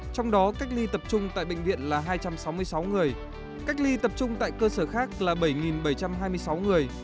trong đó cách ly tập trung tại bệnh viện là hai trăm sáu mươi sáu người cách ly tập trung tại cơ sở khác là bảy bảy trăm hai mươi sáu người